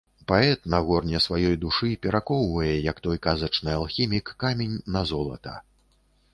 Паэт на горне сваёй душы перакоўвае, як той казачны алхімік, камень на золата.